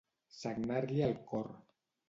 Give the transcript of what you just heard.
Sagnar-li el cor.